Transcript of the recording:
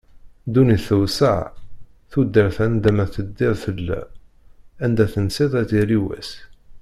Ddunit tewseɛ, tudert anda ma teddiḍ tella, anda tensiḍ ad yali wass.